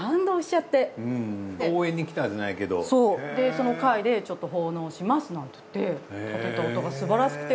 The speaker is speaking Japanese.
その貝でちょっと奉納しますなんていって立てた音がすばらしくて。